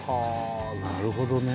なるほどね。